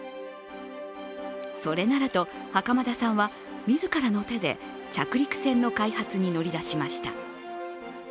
それならと袴田さんは自らの手で着陸船の開発に乗り出しました。